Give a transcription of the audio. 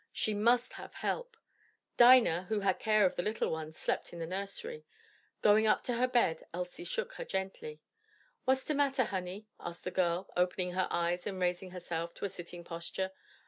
She must have help. Dinah, who had care of the little ones, slept in the nursery. Going up to her bed, Elsie shook her gently. "What's de matter, honey?" asked the girl, opening her eyes and raising herself to a sitting posture.